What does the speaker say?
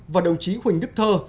và đồng chí huỳnh nhất thơ